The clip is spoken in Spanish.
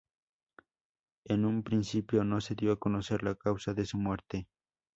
En un principio, no se dio a conocer la causa de su muerte.